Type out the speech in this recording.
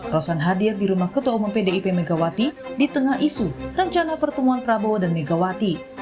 rosan hadir di rumah ketua umum pdip megawati di tengah isu rencana pertemuan prabowo dan megawati